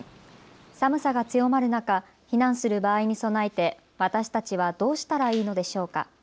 寒さが強まる中、避難する場合に備えて私たちはどうしたらいいのでしょうか。